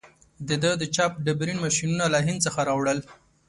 ده د چاپ ډبرین ماشینونه له هند څخه راوړل.